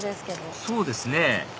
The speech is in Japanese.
そうですね